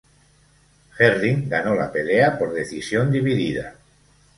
Herring ganó la pelea por decisión dividida.